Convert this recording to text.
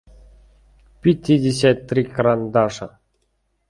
пятьдесят три карандаша